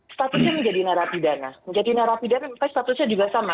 statusnya menjadi narapidana menjadi narapidana mereka statusnya juga sama